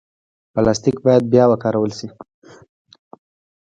پلاستيک باید بیا وکارول شي.